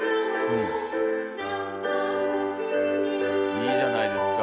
いいじゃないですか。